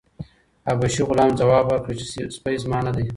حبشي غلام ځواب ورکړ چې سپی زما نه دی.